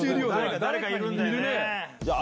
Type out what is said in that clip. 誰かいるんだよね。